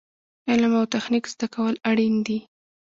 علم او تخنیک زده کول اړین دي